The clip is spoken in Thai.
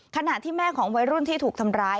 ขณะที่แม่ของวัยรุ่นที่ถูกทำร้าย